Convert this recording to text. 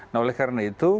nah oleh karena itu